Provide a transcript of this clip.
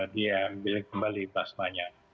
diambil kembali plasmanya